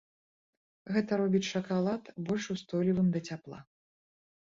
Гэта робіць шакалад больш устойлівым да цяпла.